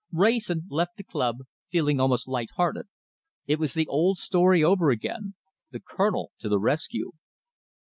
Wrayson left the club, feeling almost light hearted. It was the old story over again the Colonel to the rescue!